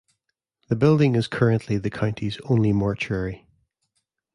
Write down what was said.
The building is currently the county's only mortuary.